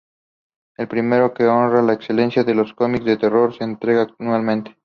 El premio, que honra la excelencia en los cómics de terror, se entrega anualmente.